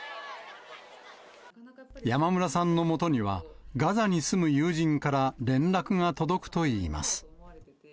山村さんのもとには、ガザに住む友人から連絡が届くといいます。